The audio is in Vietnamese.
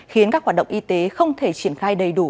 khiến các hoạt động y tế không thể triển khai đầy đủ